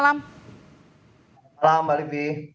selamat malam mbak livi